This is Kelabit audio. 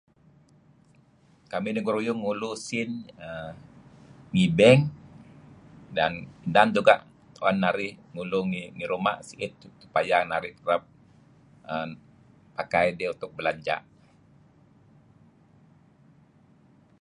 Kamih dengeruyung ngulu usin err... ngih beng dan juga' tu'en ngulu ngih ruma' supaya narih kereb pakai idih untuk belanja' .